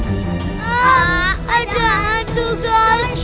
kamu bisa jadiin keras